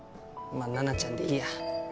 まあナナちゃんでいいや。